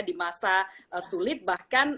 di masa sulit bahkan